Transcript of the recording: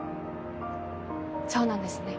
そうなんですね。